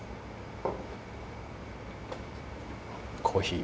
コーヒー。